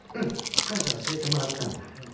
少し教えてもらったんだ。